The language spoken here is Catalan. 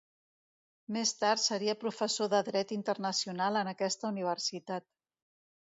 Més tard seria professor de dret internacional en aquesta universitat.